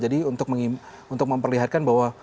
jadi untuk memperlihatkan bahwa